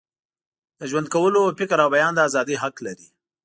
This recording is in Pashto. د ژوند کولو، فکر او بیان د ازادۍ حق لري.